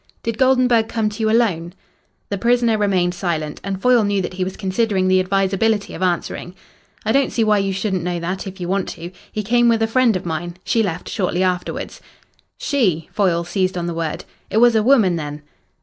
"Did Goldenburg come to you alone?" The prisoner remained silent, and Foyle knew that he was considering the advisability of answering. "I don't see why you shouldn't know that, if you want to. He came with a friend of mine. She left shortly afterwards." "She?" Foyle seized on the word. "It was a woman, then?"